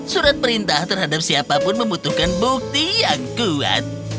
surat perintah terhadap siapa pun membutuhkan bukti yang kuat